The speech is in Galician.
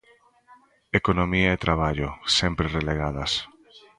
Economía e traballo, sempre relegadas.